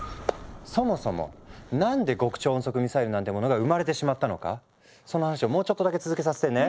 そもそもなんで極超音速ミサイルなんてものが生まれてしまったのかその話をもうちょっとだけ続けさせてね。